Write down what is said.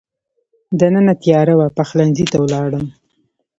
دننه تېاره وه، پخلنځي ته ولاړم.